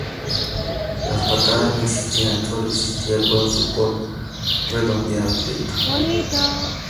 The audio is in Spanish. Las patadas no existían, sólo existía el buen fútbol", redondea Prieto.